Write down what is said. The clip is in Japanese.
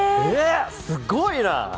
すごいな。